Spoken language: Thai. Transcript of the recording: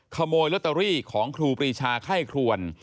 ขโมยลอตเตอรี่ของครูปรีชาไข้ครวน